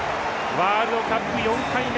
ワールドカップ４回目。